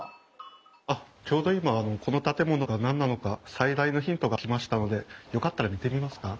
あっちょうど今この建物が何なのか最大のヒントが来ましたのでよかったら見てみますか？